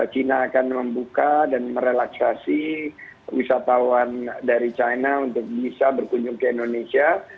china akan membuka dan merelaksasi wisatawan dari china untuk bisa berkunjung ke indonesia